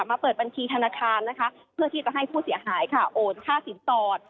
มาเปิดบัญถีธนาคารเพื่อจะให้ผู้เสียหายโอนค่าสินตอบ